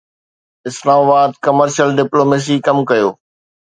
اسلام آباد commercial diplomacy ڪم ڪيو